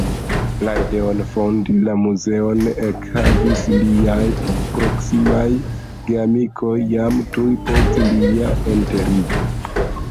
La ideon fondi la muzeon ekhavis liaj proksimaj geamikoj jam tuj post lia enterigo.